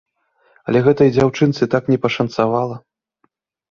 Але гэтай дзяўчынцы так не пашанцавала.